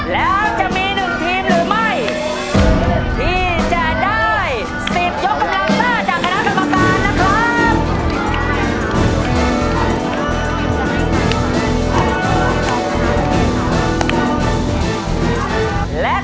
แล้วจะมี๑ทีมหรือไม่ที่จะได้๑๐ยกกำลังซ่าจากคณะกรรมการนะครับ